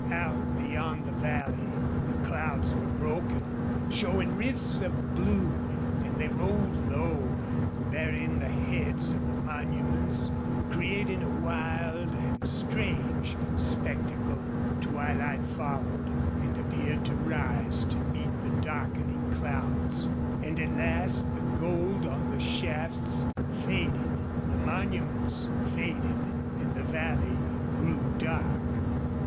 Out beyond the valley the clouds were broken, showing rifts of blue, and they rolled low, burying the heads of the monuments, creating a wild and strange spectacle. Twilight followed, and appeared to rise to meet the darkening clouds. And at last the gold on the shafts faded; the monuments faded; and the valley grew dark.